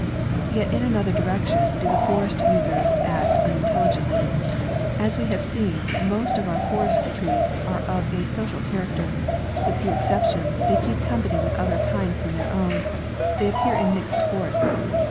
Yet in another direction do the forest users act unintelli gently. As we have seen, most of our forest trees are of a so cial character. With few exceptions, they keep. company with other kinds than their own; they appear in mixed forests.